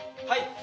はい。